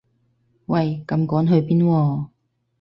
喂咁趕去邊喎